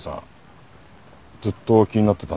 ずっと気になってたんです。